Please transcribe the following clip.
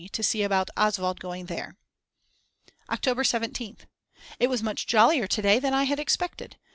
to see about Oswald going there. October 17th. It was much jollier to day than I had expected.